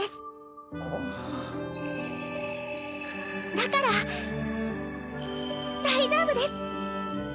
だから大丈夫です！